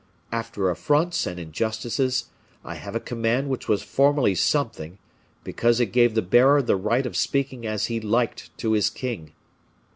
After affronts and injustices, I have a command which was formerly something, because it gave the bearer the right of speaking as he liked to his king.